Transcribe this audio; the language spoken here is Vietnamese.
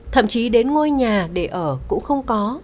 thậm chí đến ngôi nhà để ở cũng không có